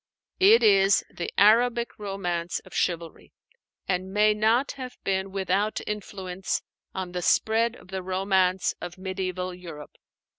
It is the Arabic romance of chivalry, and may not have been without influence on the spread of the romance of mediæval Europe.